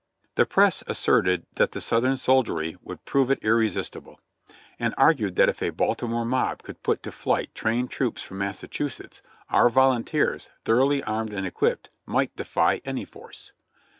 The press asserted that the . Southern soldiery would prove ir PUBLIC OPINION ON BOTH SIDES 33 resistible ; and argued that if a Baltimore mob could put to flight trained troops from Massachusetts, our volunteers, thoroughly armed and equipped, might defy any force.